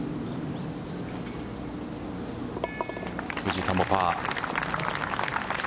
藤田もパー。